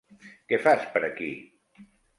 Què fas per aquí?